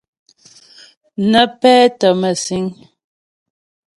Nə́ pɛ́tə́ mə̂síŋ.